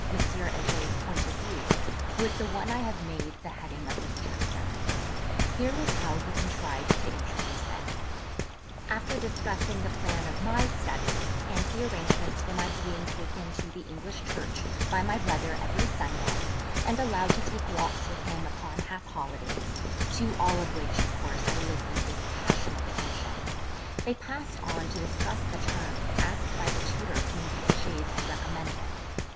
Heger's point of view was the one I have made the heading of this chapter. Here was how he contrived to introduce it. After discussing the plan of my studies, and the arrangements for my being taken to the English church by my brother every Sunday, and allowed to take walks with him upon half holidays (to all of which of course I listened with passionate attention), they passed on to discuss the terms asked by the tutor whom the Hegers had recommended.